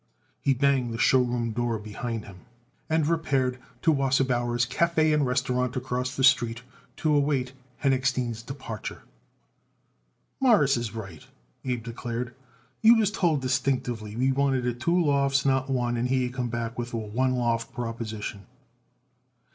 He banged the show room door behind him and repaired to Wasserbauer's Café and Restaurant across the street to await Henochstein's departure. "Mawruss is right," Abe declared. "You was told distinctively we wanted it two lofts, not one, and here you come back with a one loft proposition."